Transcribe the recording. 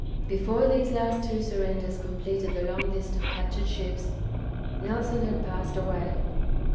Before these last two surrenders completed the long list of captured ships, Nelson had passed away.